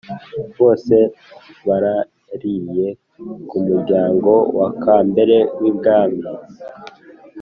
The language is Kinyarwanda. bose barāririye ku muryango wa kambere y’ibwami